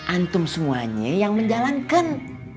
antum semuanya yang menjalankan